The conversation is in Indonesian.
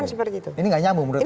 ini tidak nyambung menurut anda